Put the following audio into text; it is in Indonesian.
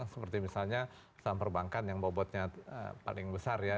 seperti misalnya saham perbankan yang bobotnya paling besar ya